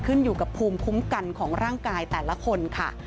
ขึ้นอยู่กับภูมิคุ้มกันของร่างกายแต่ละคนค่ะ